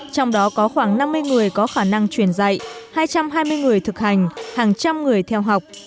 trong đó có khoảng năm mươi người có khả năng truyền dạy hai trăm hai mươi người thực hành hàng trăm người theo học